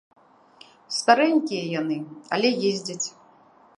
Старэнькія яны, але ездзяць.